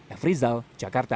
efri zal jakarta